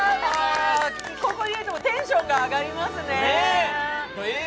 ここにいるとテンションが上がりますね。